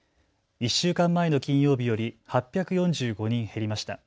１週間前の金曜日より８４５人減りました。